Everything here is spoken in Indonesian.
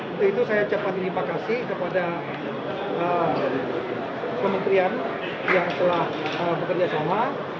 untuk itu saya ucapkan terima kasih kepada kementerian yang telah bekerja sama